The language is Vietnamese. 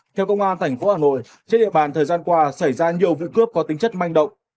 theo công an tp hà nội trên địa bàn thời gian qua xảy ra nhiều vụ cướp có tính chất manh động